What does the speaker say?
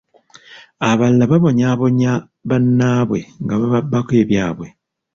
Abalala babonyaabonya bannaabwe nga bababbako ebyabwe.